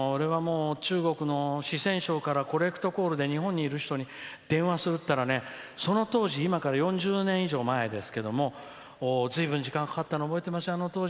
中国の四川省からコレクトコールで日本にいる人に電話するっていったらねその当時、今から４０年以上前ですけどずいぶん時間がかかったのを覚えてますよ。